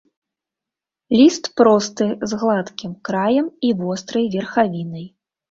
Ліст просты, з гладкім краем і вострай верхавінай.